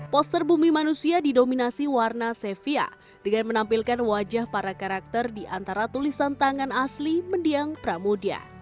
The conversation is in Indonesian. poster bumi manusia didominasi warna sevia dengan menampilkan wajah para karakter di antara tulisan tangan asli mendiang pramudya